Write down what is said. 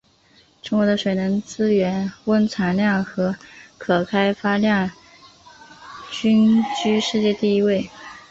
中国的水能资源蕴藏量和可开发量均居世界第一位。